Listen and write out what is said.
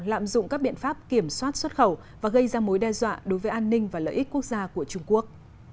lạm dụng các biện pháp kiểm soát xuất khẩu và gây ra mối đe dọa đối với an ninh và lợi ích quốc gia của trung quốc